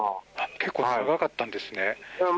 結構長かったんですね。